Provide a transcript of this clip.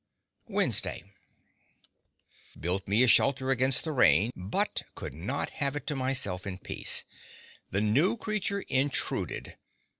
Wednesday Built me a shelter against the rain, but could not have it to myself in peace. The new creature intruded.